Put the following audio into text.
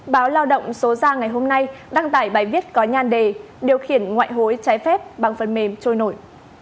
báo lao động số ra ngày hôm nay đăng tải bài viết có nhan đề điều khiển ngoại hối trái phép bằng phần mềm trôi nổi